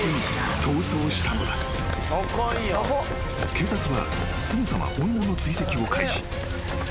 ［警察はすぐさま女の追跡を開始］